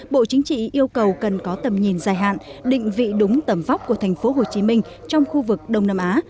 bộ chính trị yêu cầu cần có tầm nhìn dài hạn định vị đúng tầm vóc của tp hcm trong khu vực đông nam á